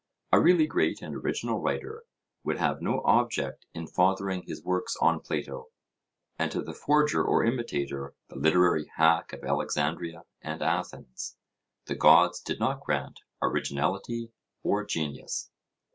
A really great and original writer would have no object in fathering his works on Plato; and to the forger or imitator, the 'literary hack' of Alexandria and Athens, the Gods did not grant originality or genius.